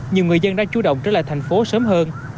nhiều người dân đã chủ động trở lại thành phố sớm hơn